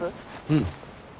うん。